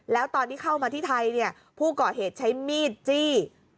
แล้วตอนที่เข้ามาที่ไทยผู้ก่อเหตุใช้มีดจี้